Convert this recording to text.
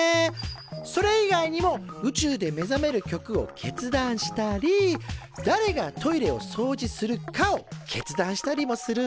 それ以外にも宇宙で目覚める曲を決断したりだれがトイレをそうじするかを決断したりもするんだ。